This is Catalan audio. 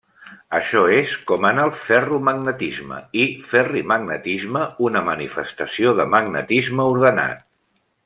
Això és com en el ferromagnetisme i ferrimagnetisme, una manifestació de magnetisme ordenat.